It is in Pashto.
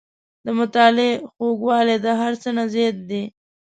• د مطالعې خوږوالی د هر څه نه زیات دی.